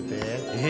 え！